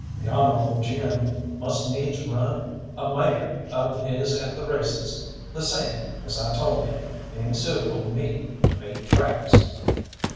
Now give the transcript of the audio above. The Honourable Jim must needs run a mare of his at the races, the same, as I told him, being suitable meat to bait traps.